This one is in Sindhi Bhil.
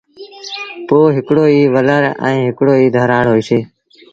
پوء هڪڙو ئيٚ ولر ائيٚݩٚ هڪڙو ئيٚ ڌرآڙ هوئيٚسي۔